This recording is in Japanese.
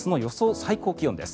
最高気温です。